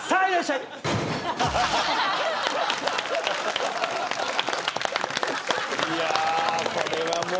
いやこれはもう。